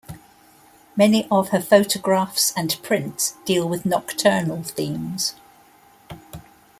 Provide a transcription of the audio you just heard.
Many of her photographs and prints deal with nocturnal themes.